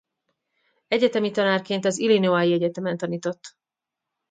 Egyetemi tanárként az Illinoisi Egyetemen tanított.